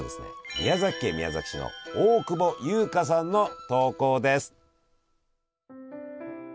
宮崎県宮崎市の大久保優花さんの投稿です。